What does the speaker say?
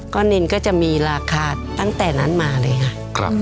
ก็นินก็จะมีราคาตั้งแต่นั้นมาเลยค่ะ